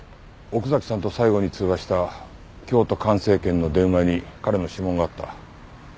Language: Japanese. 奥崎さんと最後に通話した京都環生研の電話に彼の指紋があった。